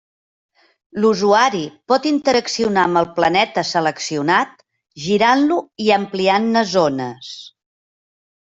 L'usuari pot interaccionar amb el planeta seleccionat girant-lo i ampliant-ne zones.